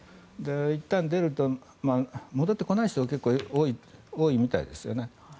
いったん出ると戻ってこない人が結構多いみたいですよね。